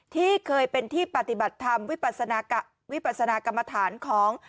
ที่เคยเป็นที่ปฏิบัติธรรมวิปัสนากรรมฐานของ